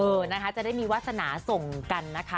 นะคะจะได้มีวาสนาส่งกันนะคะ